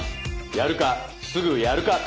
やるかすぐやるか。